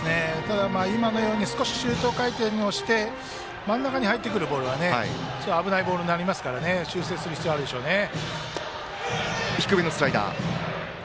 今のようにシュート回転をして真ん中に入ってくるボールは危ないボールになるので修正する必要がありますね。